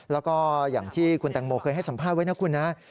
แล้วก็อย่างที่คุณแตงโมเคยให้สัมภาษณ์ไว้นะคุณนะ